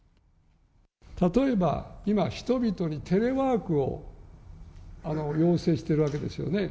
例えば、今、人々にテレワークを、要請しているわけですよね。